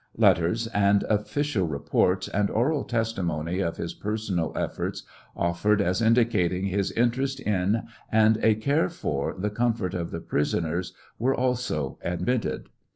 Letters and official reports, and oral testimony of his personal eSbrts, offered as indicating his interest in, and a care for, the comfort of the prisoners, were also admitted.